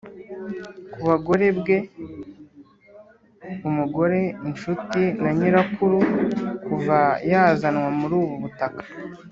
kubagore bwe, umugore, inshuti na nyirakuru kuva yazanwa muri ubu butaka.